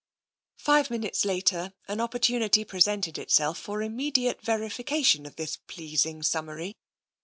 Five minutes later an opportunity presented itself for immediate verification of this pleasing summary.